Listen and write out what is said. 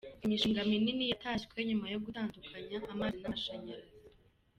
Imishinga minini yatashwe nyuma yo gutandukanya amazi n’amashanyarazi.